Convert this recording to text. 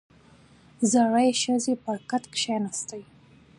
• زړې ښځې پر کټ کښېناستې.